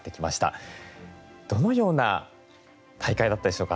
どのような大会だったでしょうか？